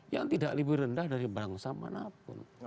yang tidak lebih rendah dari bangsa manapun